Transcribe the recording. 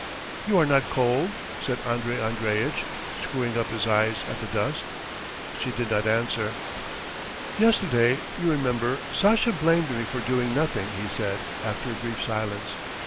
"You are not cold?" said Andrey Andreitch, screwing up his eyes at the dust. She did not answer. "Yesterday, you remember, Sasha blamed me for doing nothing," he said, after a brief silence.